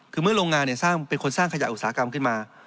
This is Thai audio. คือเมื่อโรงงานสร้างเป็นคนสร้างขยะอุตสาหกรรมขึ้นมา